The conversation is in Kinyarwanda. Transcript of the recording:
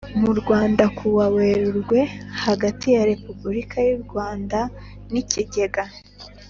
Mu rwanda kuwa werurwe hagati ya repubulika y u rwanda n ikigega